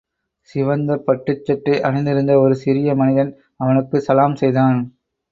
சிவந்த பட்டுச்சட்டை அணிந்திருந்த ஒரு சிறிய மனிதன் அவனுக்கு சலாம் செய்தான்.